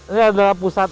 ini adalah pusat